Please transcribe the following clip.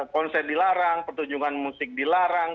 konser dilarang pertunjukan musik dilarang